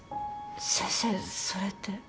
先生それって。